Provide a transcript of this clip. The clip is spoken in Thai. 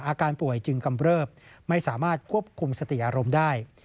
อาการป่วยจึงกำเริบไม่สามารถควบคุมสติอารมณ์ได้